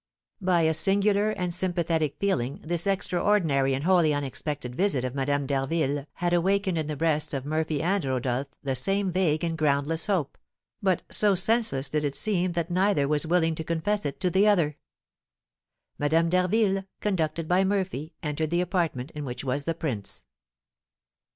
By a singular and sympathetic feeling this extraordinary and wholly unexpected visit of Madame d'Harville had awakened in the breasts of Murphy and Rodolph the same vague and groundless hope, but so senseless did it seem that neither was willing to confess it to the other. Madame d'Harville, conducted by Murphy, entered the apartment in which was the prince.